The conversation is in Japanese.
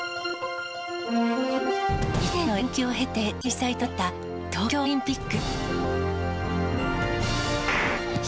１年の延期を経て開催となった東京オリンピック。